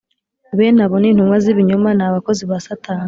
Bene abo ni intumwa z ibinyoma ni abakozi ba satani